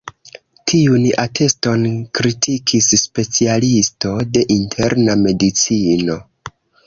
Tiun ateston kritikis specialisto de interna medicino.